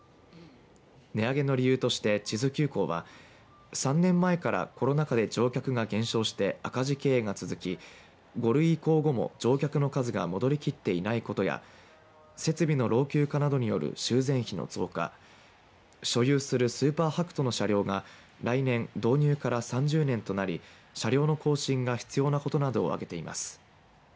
値上げの理由として智頭急行は３年前からコロナ禍で乗客が減少して赤字経営が続き５類移行後も乗客の数が戻りきっていないことや設備の老朽化などによる修繕費の増加所有するスーパーはくとの車両が来年導入から３０年となり車両の更新が必要なことなどをあげています。